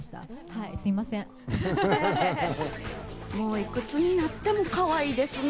いくつになってもかわいいですね。